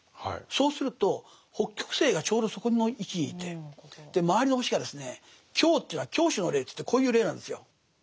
そうすると北極星がちょうどそこの位置にいて周りの星がですね「共」というのは拱手の礼といってこういう礼なんですよ。